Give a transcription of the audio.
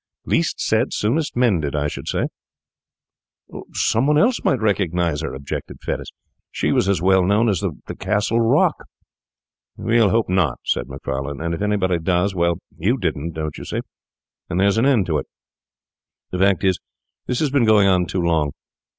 Least said soonest mended, I should say.' 'Some one else might recognise her,' objected Fettes. 'She was as well known as the Castle Rock.' 'We'll hope not,' said Macfarlane, 'and if anybody does—well, you didn't, don't you see, and there's an end. The fact is, this has been going on too long.